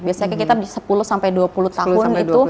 biasanya kita sepuluh sampai dua puluh tahun itu